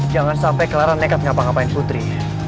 jangan sampai claran nekat ngapa ngapain putri